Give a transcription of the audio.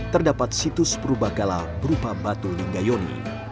terdapat situs purbaqala berupa batu linggayoni